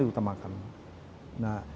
yang kita makan nah